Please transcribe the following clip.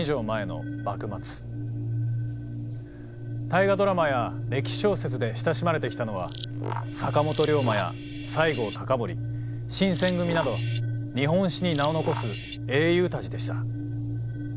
「大河ドラマ」や歴史小説で親しまれてきたのは坂本龍馬や西郷隆盛新選組など日本史に名を残す英雄たちでした。